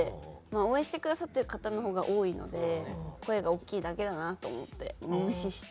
応援してくださってる方のほうが多いので声が大きいだけだなと思って無視してますね。